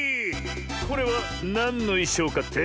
これはなんのいしょうかって？